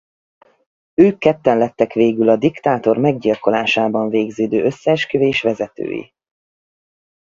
Ők ketten lettek végül a dictator meggyilkolásában végződő összeesküvés vezetői.